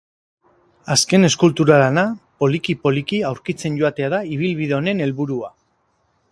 Azken eskultura-lana poliki-poliki aurkitzen joatea da ibilbide honen helburua.